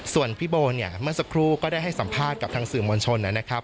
ส่วนพี่โบเนี่ยเมื่อสักครู่ก็ได้ให้สัมภาษณ์กับทางสื่อมวลชนนะครับ